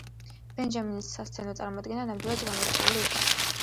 ბენჯამინის სასცენო წარმოდგენა ნამდვილად გამორჩეული იყო.